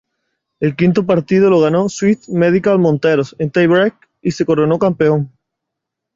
El quinto partido lo ganó Swiss Medical Monteros en tie-break y se coronó campeón.